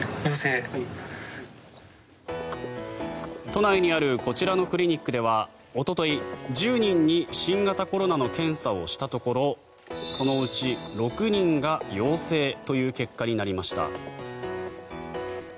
都内にあるこちらのクリニックではおととい、１０人に新型コロナの検査をしたところそのうち６人が陽性という結果になりました。